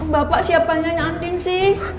bapak siapainya andin sih